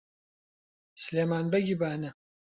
سلێمان بەگی بانە